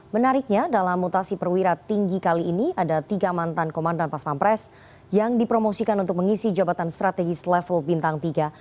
menariknya dalam mutasi perwira tinggi kali ini ada tiga mantan komandan pas pampres yang dipromosikan untuk mengisi jabatan strategis level bintang tiga